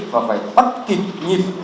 và phải bắt thịt nhịp